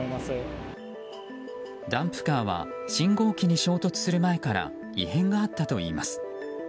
ダンプカーは信号機に衝突する前から異変があったといいます。